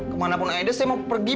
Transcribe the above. kemanapun ada saya mau pergi